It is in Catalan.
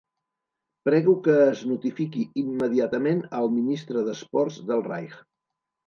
Prego que es notifiqui immediatament al Ministre d'Esports del Reich.